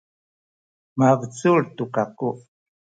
mabecul tu kaku.